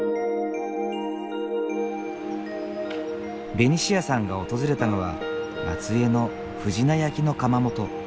ベニシアさんが訪れたのは松江の布志名焼の窯元。